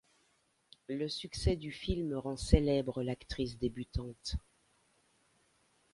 Le succès du film rend célèbre l'actrice débutante.